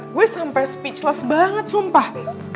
gue sampai speechless banget sumpah